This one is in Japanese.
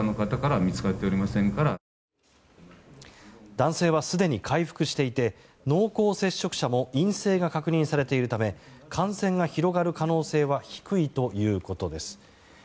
男性はすでに回復していて濃厚接触者も陰性が確認されているため感染が広がる可能性は低いということです。